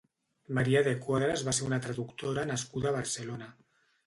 Maria de Quadras va ser una traductora nascuda a Barcelona.